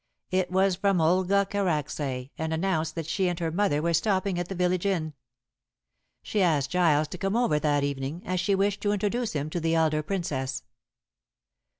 It was from Olga Karacsay, and announced that she and her mother were stopping at the village inn. She asked Giles to come over that evening, as she wished to introduce him to the elder Princess.